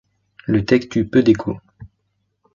Le texte eut peu d'échos.